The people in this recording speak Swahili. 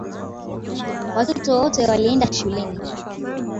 Watoto wote walienda shuleni.